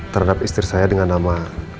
terhadap istri saya dengan nama